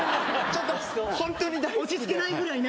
落ち着けないぐらいね